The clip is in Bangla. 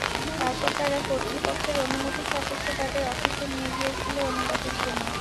তারপর তারা কর্তৃপক্ষের অনুমতি সাপেক্ষে তাদের অফিসে নিয়ে গিয়েছিল অনুবাদের জন্য।